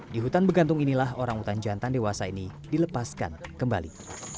di hutan begantung inilah orangutan jantan dewasa ini dilepaskan kembali